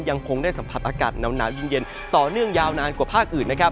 ยังคงได้สัมผัสอากาศนาวน้ำยิ่งเย็นต่อเนื่องยาวนานกว่าภาคอื่น